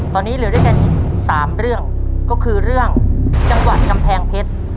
ตอนนี้เหลือด้วยกันอีก๓เรื่องก็คือเรื่องจังหวัดกำแพงเพชร